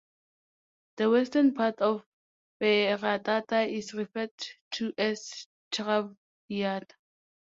The western part of Peratata is referred to as Travliata.